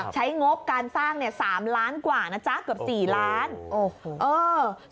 ใช้งบการสร้าง๓ล้านบาทกว่านะจ๊ะเกือบ๔ล้านบาท